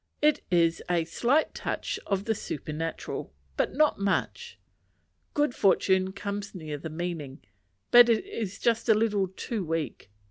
It has a slight touch of the supernatural, but not much. Good fortune comes near the meaning, but is just a little too weak.